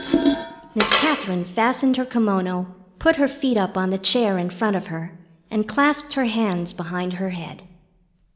Miss Katherine fastened her kimono, put her feet up on the chair in front of her, and clasped her hands behind her head.